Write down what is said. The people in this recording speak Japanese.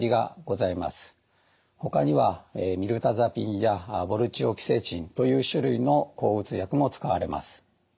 ほかにはミルタザピンやボルチオキセチンという種類の抗うつ薬も使われます。